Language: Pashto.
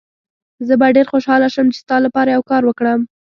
زه به ډېر خوشحاله شم چي ستا لپاره یو کار وکړم.